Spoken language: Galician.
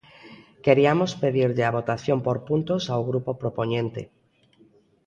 Queriamos pedirlle a votación por puntos ao grupo propoñente.